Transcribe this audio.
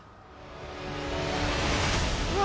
うわ！